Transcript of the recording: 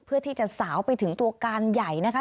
เพื่อที่จะสาวไปถึงตัวการใหญ่นะคะ